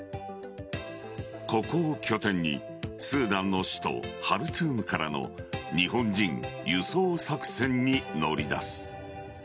ここを拠点に、スーダンの首都ハルツームからの日本人輸送作戦に乗り出す。